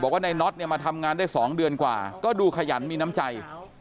ว่าในน็อตเนี่ยมาทำงานได้๒เดือนกว่าก็ดูขยันมีน้ำใจ